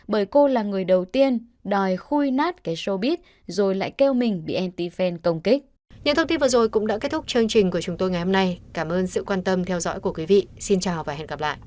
bởi cô là người đầu tiên đòi khui nát cái showbiz rồi lại kêu mình bị anti fan công kích